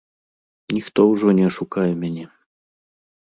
Ніхто ўжо не ашукае мяне.